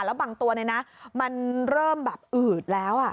แล้วบางตัวมันเริ่มแบบอืดแล้ว